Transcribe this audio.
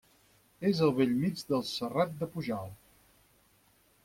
És al bell mig del Serrat de Pujalt.